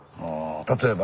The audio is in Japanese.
例えば？